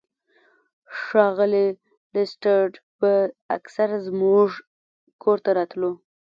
ښاغلی لیسټرډ به اکثر زموږ کور ته راتلو.